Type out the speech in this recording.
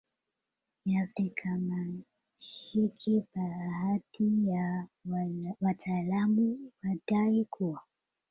ya Afrikamashariki Baadhi ya wataalamu hudai kuwa